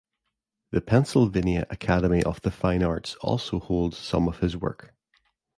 The Pennsylvania Academy of the Fine Arts also holds some his work.